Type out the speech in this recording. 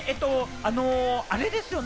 あの、あれですよね？